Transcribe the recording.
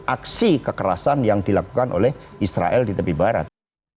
aksi kekerasan yang dilakukan oleh israel di tepi barat